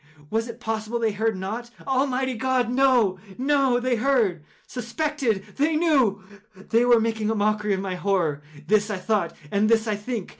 Was it possible they heard not? Almighty God!—no, no! They heard!—they suspected!—they knew!—they were making a mockery of my horror!—this I thought, and this I think.